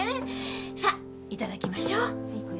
さあいただきましょう